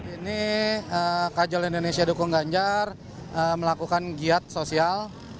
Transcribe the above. ini kajol indonesia dukung ganjar melakukan giat sosial